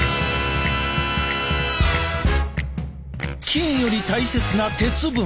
金より大切な鉄分。